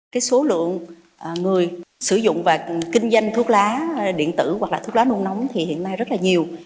cái số lượng người sử dụng và kinh doanh thuốc lá điện tử hoặc là thuốc lá nung nóng thì hiện nay rất là nhiều